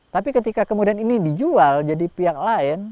tapi ketika kemudian ini dijual jadi pihak lain